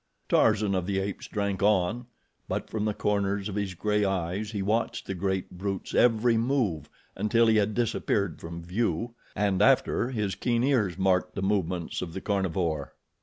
Tarzan of the Apes drank on, but from the corners of his gray eyes he watched the great brute's every move until he had disappeared from view, and, after, his keen ears marked the movements of the carnivore.